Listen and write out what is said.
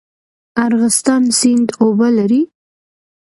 ارغستان سیند اوبه لري؟